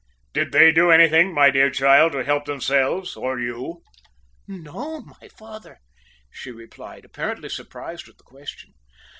"Did they do anything, my dear child to help themselves, or you?" "No, my father," she replied, apparently surprised at the question.